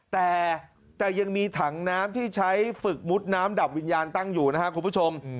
แต่ยังมีถังน้ำที่ใช้ฝึกมุดน้ำดับวิญญาณตั้งอยู่นะครับคุณผู้ชม